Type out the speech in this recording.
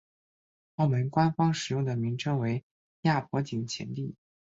澳门官方使用的名称为亚婆井前地。